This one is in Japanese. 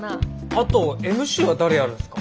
あとＭＣは誰やるんすか？